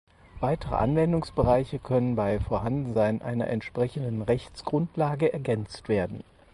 Weitere Anwendungsbereiche können bei Vorhandensein einer entsprechenden Rechtsgrundlage ergänzt werden.